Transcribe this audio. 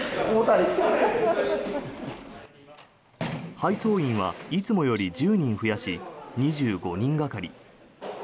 配送員はいつもより１０人増やし２５人がかり。